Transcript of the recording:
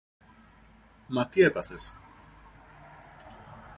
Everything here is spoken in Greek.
Μα τι έπαθες;